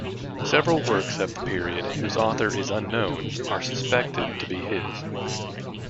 Several works of the period whose author is unknown are suspected to be his.